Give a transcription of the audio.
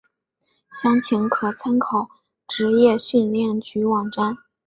详情可参考职业训练局网站。